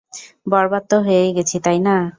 বরবাদ তো হয়েই গেছি, তাই না?